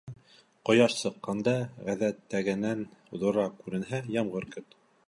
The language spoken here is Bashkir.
Ҡояш сыҡҡанда ғәҙәттәгенән ҙурыраҡ күренһә, ямғыр көт.